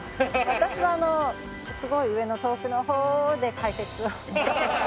私はすごい上の遠くの方で解説を。